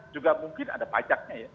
juga mungkin ada pajaknya ya